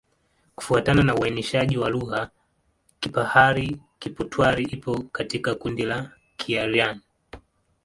Kufuatana na uainishaji wa lugha, Kipahari-Kipotwari iko katika kundi la Kiaryan.